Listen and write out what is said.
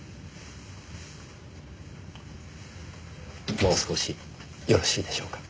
もう少しよろしいでしょうか？